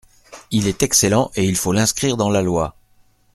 Il est excellent, et il faut l’inscrire dans la loi.